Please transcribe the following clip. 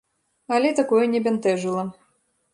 Але такое не бянтэжыла.